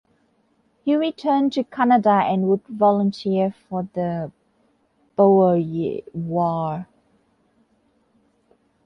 He returned to Canada and would volunteer for the Boer War.